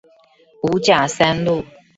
五甲三路